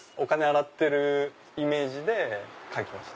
洗ってるイメージで描きました。